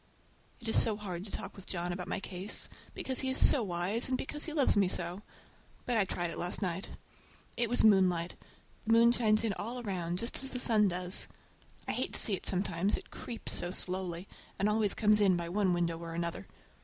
It is so hard to talk with John about my case, because he is so wise, and because he loves me so. But I tried it last night. It was moonlight. The moon shines in all around, just as the sun does. I hate to see it sometimes, it creeps so slowly, and always comes in by one window or another.